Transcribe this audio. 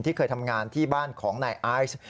เคยทำงานที่บ้านของนายไอซ์